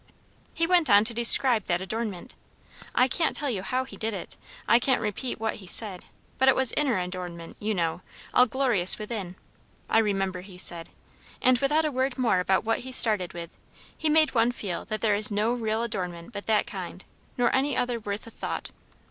"He went on to describe that adornment. I can't tell you how he did it; I can't repeat what he said; but it was inner adornment, you know; 'all glorious within,' I remember he said; and without a word more about what he started with, he made one feel that there is no real adornment but that kind, nor any other worth a thought.